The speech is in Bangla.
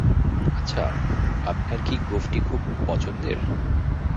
আচ্ছা, আপনার কি গোঁফটি খুব পছন্দের?